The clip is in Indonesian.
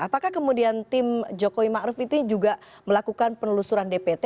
apakah kemudian tim jokowi ma'ruf itu juga melakukan penelusuran dpt